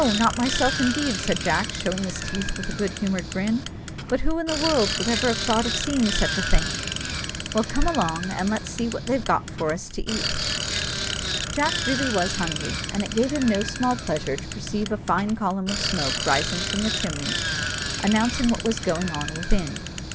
not myself, indeed," said Jack, showing his teeth with a good humoured grin; "but who in the world would ever have thought of seeing such a thing?" "Well, come along, and let's see what they've got for us to eat?" Jack really was hungry, and it gave him no small pleasure to perceive a fine column of smoke rising from the chimney, announcing what was going on within.